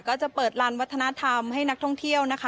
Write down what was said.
ก็จะเปิดลานวัฒนธรรมให้นักท่องเที่ยวนะคะ